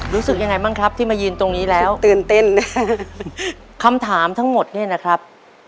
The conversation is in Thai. รู้สึกยังไงบ้างครับที่มายืนตรงนี้แล้วตื่นเต้นคำถามทั้งหมดเนี่ยนะครับ